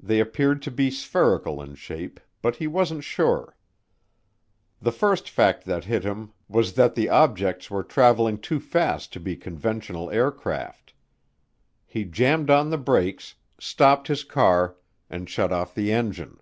They appeared to be spherical in shape, but he wasn't sure. The first fact that had hit him was that the objects were traveling too fast to be conventional aircraft. He jammed on the brakes, stopped his car, and shut off the engine.